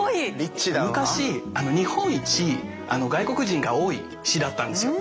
昔日本一外国人が多い市だったんですよ。